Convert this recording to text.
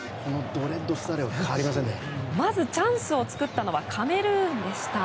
まずチャンスを作ったのはカメルーンでした。